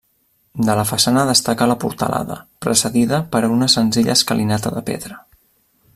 De la façana destaca la portalada, precedida per una senzilla escalinata de pedra.